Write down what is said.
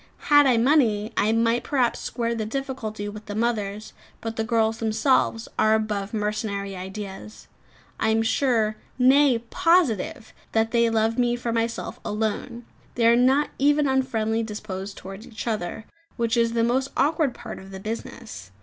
Had I money, I might perhaps square the difficulty with the mothers; but the girls themselves are above mercenary ideas. I am sure, nay, positive that they love me for myself alone. They are not even unfriendly disposed towards each other, which is the most awkward part of the business.